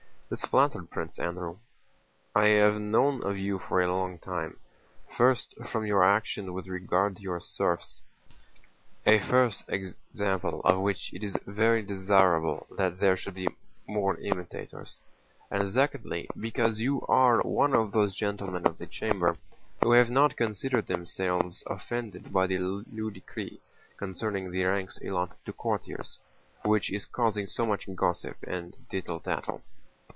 This flattered Prince Andrew. "I have known of you for a long time: first from your action with regard to your serfs, a first example, of which it is very desirable that there should be more imitators; and secondly because you are one of those gentlemen of the chamber who have not considered themselves offended by the new decree concerning the ranks allotted to courtiers, which is causing so much gossip and tittle tattle."